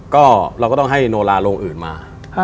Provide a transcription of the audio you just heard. ก็เราก็ต้องให้โนลาโรงอื่นมา